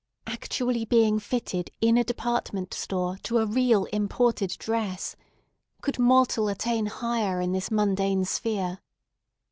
Actually being fitted in a department store to a "real imported" dress! Could mortal attain higher in this mundane sphere?